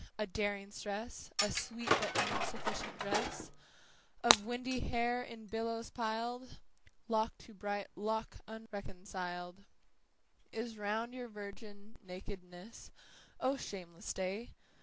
a daring stress, A sweet but insufficient dress Of windy hair in billows piled Lock to bright lock unreconciled Is round your virgin nakedness, O shameless day!